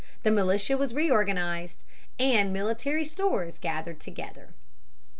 The militia was reorganized, and military stores gathered together.